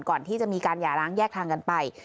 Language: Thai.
ก่อนที่จะมีการหย่าร้างแยกทางกันไป